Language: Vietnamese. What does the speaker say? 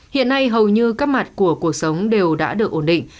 hiện nay hầu như các mặt của cuộc sống đều đã được ổn định